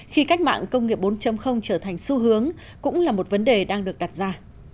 khi cách mạng công nghiệp bốn trở thành xu hướng cũng là một vấn đề đang được đặt ra